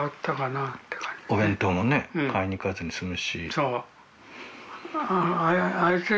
お弁当も買いに行かずに済むし。